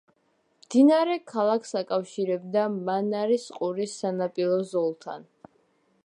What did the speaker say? მდინარე ქალაქს აკავშირებდა მანარის ყურის სანაპირო ზოლთან.